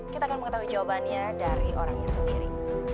kita akan mengetahui jawabannya dari orangnya sendiri